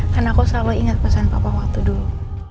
kan aku selalu ingat pesan papa waktu dulu